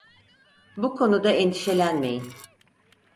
Bu konuda endişelenmeyin.